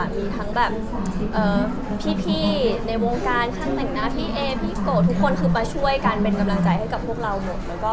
มีทั้งแบบพี่ในวงการช่างแต่งหน้าพี่เอพี่โกะทุกคนคือมาช่วยกันเป็นกำลังใจให้กับพวกเราหมด